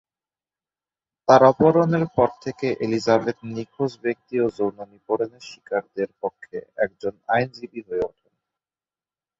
তার অপহরণের পর থেকে এলিজাবেথ নিখোঁজ ব্যক্তি ও যৌন নিপীড়নের শিকারদের পক্ষে একজন আইনজীবী হয়ে ওঠেন।